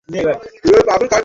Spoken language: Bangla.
ওহ, দাদীমা!